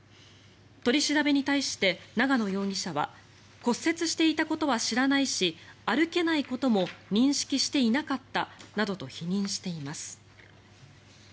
取り調べに対して、長野容疑者は骨折していたことは知らないし歩けないことも認識していなかったなどと否認しています。